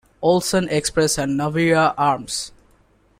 Olsen Express and Naviera Armas.